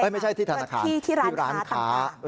ไม่ใช่ที่ธนาคารที่ร้านค้าต่าง